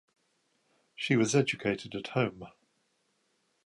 She was educated at home.